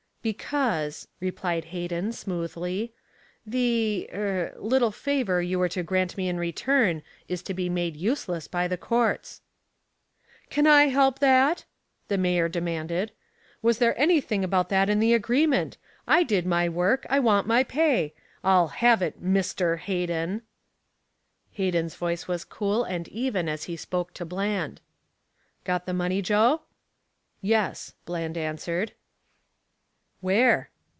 "Because," replied Hayden smoothly, "the er little favor you were to grant me in return is to be made useless by the courts." "Can I help that?" the mayor demanded. "Was there anything about that in the agreement? I did my work. I want my pay. I'll have it, Mister Hayden." Hayden's voice was cool and even as he spoke to Bland. "Got the money, Joe?" "Yes," Bland answered. "Where?"